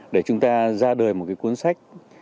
để chúng ta ra đời một cuốn sách